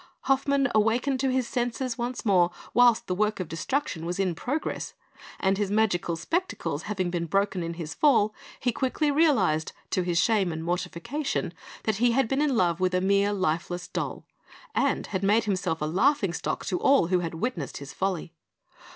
Hoffmann awakened to his senses once more whilst the work of destruction was in progress; and his magic spectacles having been broken in his fall, he quickly realised, to his shame and mortification, that he had been in love with a mere lifeless doll, and had made himself a laughing stock to all who had witnessed his folly.